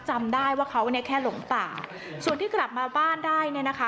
จำได้ว่าเขาเนี่ยแค่หลงป่าส่วนที่กลับมาบ้านได้เนี่ยนะคะ